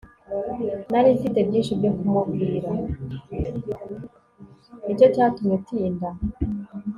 nicyo cyatumye utinda